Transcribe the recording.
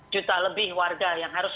juta lebih warga yang harus